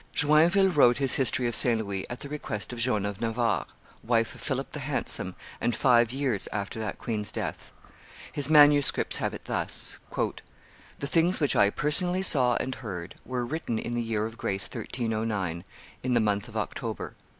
Joinville wrote his History of St. Louis at the request of Joan of Navarre, wife of Philip the Handsome, and five years after that queen's death; his manuscripts have it thus: "The things which I personally saw and heard were written in the year of grace 1309, in the month of October."